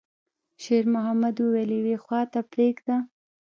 شېرمحمد وويل: «يوې خواته پرېږده.»